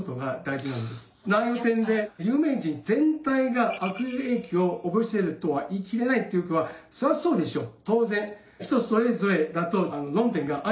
内容の点で有名人全体が悪影響を及ぼしているとは言い切れないっていうことはそれはそうでしょう。